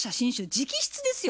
直筆ですよ。